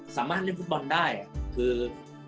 สามารถเล่นฟุตบอลได้คือ